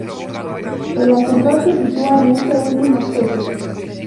El ascensor se sitúa en este último acceso.